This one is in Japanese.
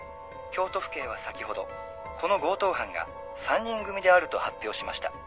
京都府警は先ほどこの強盗犯が３人組であると発表しました」